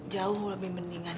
jauh lebih mendingan